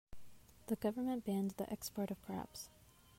The government banned the export of crabs.